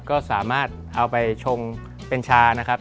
ก็สามารถเอาไปชงเป็นชานะครับ